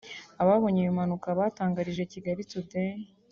Ababonye iyo mpanuka batangarije Kigali Today